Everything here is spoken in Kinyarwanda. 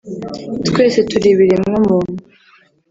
twese turi ibiremwa muntu